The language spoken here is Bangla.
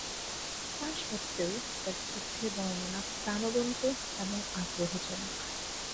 তা সত্ত্বেও, তার যুদ্ধের বর্ণনা প্রাণবন্ত এবং আগ্রহজনক।